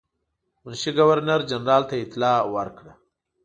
منشي ګورنر جنرال ته اطلاع ورکړه.